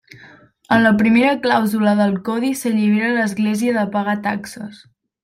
En la primera clàusula del codi s'allibera l'Església de pagar taxes.